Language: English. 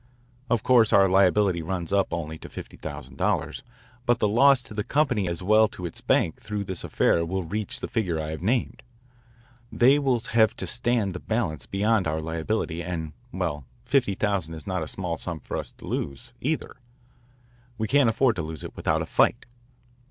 Of course our liability runs up only to $50,000. But the loss to the company as well as to its bank through this affair will reach the figure I have named. They will have to stand the balance beyond our liability and, well, fifty thousand is not a small sum for us to lose, either. We can't afford to lose it without a fight."